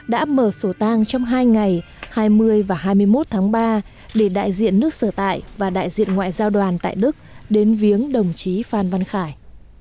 đã mở sổ tang trong hai ngày hai mươi và hai mươi một tháng ba để đại diện nước sở tại và đại diện ngoại giao đoàn tại đức đến viếng đồng chí phan văn khải